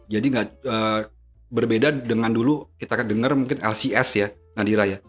jadi nggak berbeda dengan dulu kita dengar mungkin lcs ya nadira ya